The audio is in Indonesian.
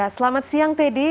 selamat siang teddy